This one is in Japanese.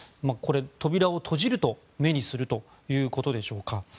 扉を閉じると目にするということでしょうか。